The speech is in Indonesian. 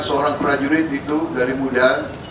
seorang prajurit itu dari muda